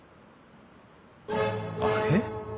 あれ？